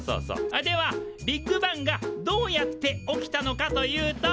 あっではビッグバンがどうやって起きたのかというと。